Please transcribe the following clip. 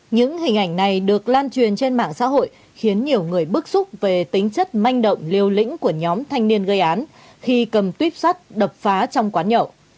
những hình ảnh này được lan truyền trên mạng xã hội khiến nhiều người bức xúc về tính chất manh động liều lĩnh của nhóm thanh niên gây án khi cầm tuyếp sắt đập phá trong quán nhậu